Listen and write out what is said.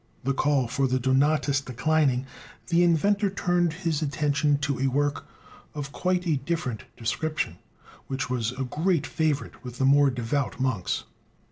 The call for the "Donatus" declining, the inventor turned his attention to a work of quite a different description, which was a great favorite with the more devout monks.